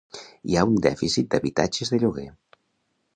Hi ha un dèficit d'habitatges de lloguer.